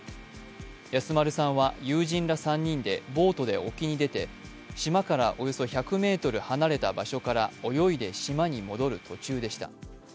安丸さんは友人ら３人でボートで沖に出て島からおよそ１００ｍ離れた場所から泳いで島に戻る途中でした。